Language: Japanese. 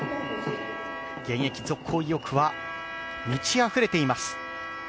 現役続行意欲は満ちあふれています。